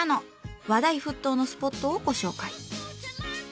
話題沸騰のスポットをご紹介。